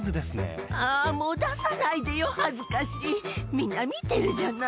みんな見てるじゃない。